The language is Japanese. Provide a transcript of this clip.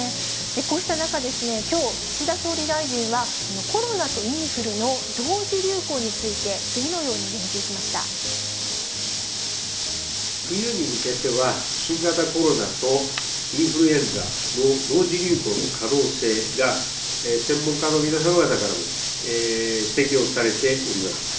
こうした中、きょう、岸田総理大臣は、コロナとインフルの同時流行について、冬に向けては、新型コロナとインフルエンザの同時流行の可能性が、専門家の皆様方からも指摘をされております。